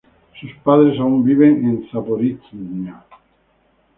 Sus padres aún viven en Zaporizhia.